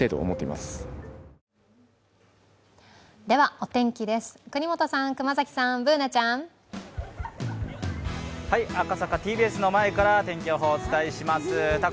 お天気です、國本さん、熊崎さん、Ｂｏｏｎａちゃん赤坂・ＴＢＳの前からお天気をお伝えします。